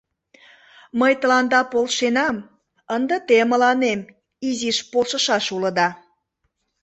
Мый тыланда полшенам, ынде те мыланем изиш полшышаш улыда.